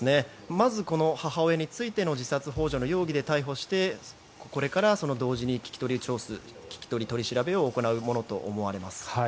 まず、この母親についての自殺ほう助の容疑で逮捕してこれから同時に聞き取り取り調べを行うものと思われます。